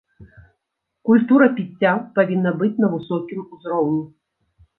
Культура піцця павінна быць на высокім узроўні.